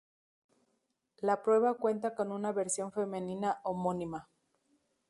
La prueba cuenta con una versión femenina homónima.